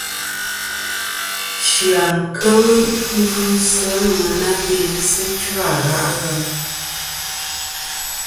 Chia kel gvɨsi a ŋwena be sɨ dzvɨ gha' ghelɨ.